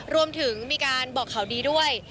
รวมถึงมีการบอกข่าวดีด้วย